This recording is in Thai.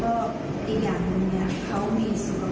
แล้วก็อีกอย่างอย่างเขามีสุขภาพที่มีโรคซึมเศร้าอยู่